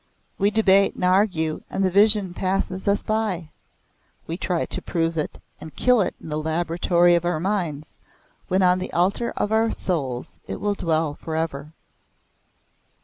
We debate and argue and the Vision passes us by. We try to prove it, and kill it in the laboratory of our minds, when on the altar of our souls it will dwell for ever."